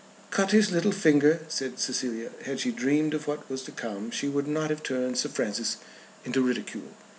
"Cut his little finger," said Cecilia. Had she dreamed of what was to come she would not have turned Sir Francis into ridicule.